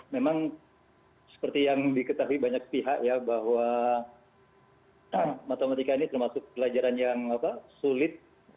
memang seperti yang diketahui banyak pihak ya bahwa matematika ini termasuk pelajaran yang sulit